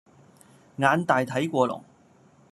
眼大睇過龍